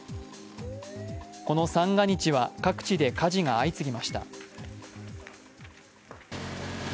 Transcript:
この三が日は各地で火事が相次ぎました。